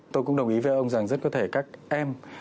tôi cũng đồng ý với ông rằng rất có thể các em